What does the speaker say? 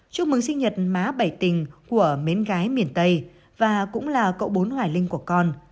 chúc mừng sinh nhật má bảy tình của mến gái miền tây và cũng là cậu bốn hoài linh của con